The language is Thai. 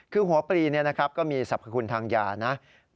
คือหัวปรีนี่นะครับก็มีสรรพคุณทางยานะ